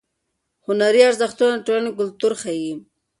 هنري ارزښتونه د ټولنې کلتور ښیي.